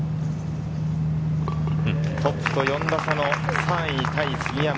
トップと４打差の３位タイ・杉山。